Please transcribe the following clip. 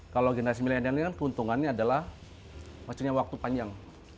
kalau generasi milenial ini kan keuntungannya adalah maksudnya waktu panjang